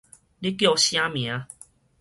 你叫啥名